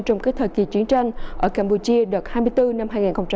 trong cái thời kỳ chiến tranh ở campuchia đợt hai mươi bốn năm hai nghìn hai mươi